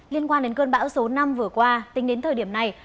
liên quan đến cơn bão số năm vừa qua tính đến thời điểm này